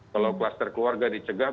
kalau klaster keluarga dicegah